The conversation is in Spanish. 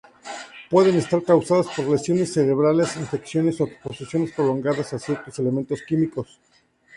Pueden estar causadas por lesiones cerebrales, infecciones o exposición prolongada a ciertos elementos químicos.